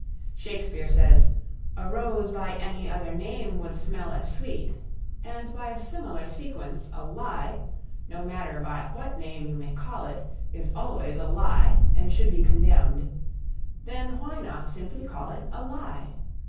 Shakespeare says, "a rose by any other name would smell as sweet," and by a similar sequence, a lie, no matter by what name you may call it, is always a lie and should be condemned; then why not simply call it a lie?